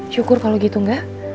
syukur kalau gitu nggak